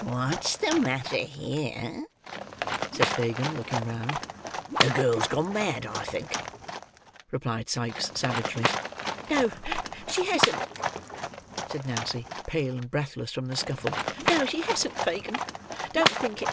"What's the matter here!" said Fagin, looking round. "The girl's gone mad, I think," replied Sikes, savagely. "No, she hasn't," said Nancy, pale and breathless from the scuffle; "no, she hasn't, Fagin; don't think it."